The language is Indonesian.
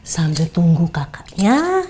sambil tunggu kakaknya